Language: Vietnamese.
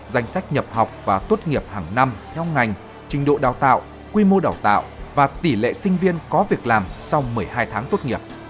danh sách nhập học và tốt nghiệp hàng năm theo ngành trình độ đào tạo quy mô đào tạo và tỷ lệ sinh viên có việc làm sau một mươi hai tháng tốt nghiệp